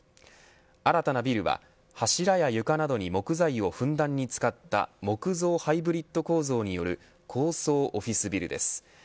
新たなビルは、柱や床などに木材をふんだんに使った木造ハイブリッド構造による高層オフィスビルです。